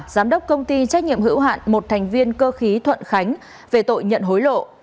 giám đốc công ty trách nhiệm hữu hạn một thành viên cơ khí thuận khánh về tội nhận hối lộ